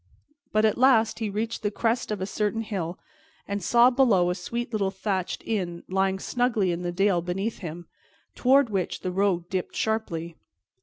But at last he reached the crest of a certain hill, and saw below a sweet little thatched inn lying snugly in the dale beneath him, toward which the road dipped sharply.